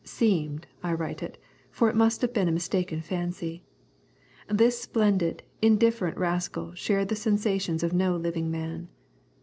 Seemed, I write it, for it must have been a mistaken fancy. This splendid, indifferent rascal shared the sensations of no living man.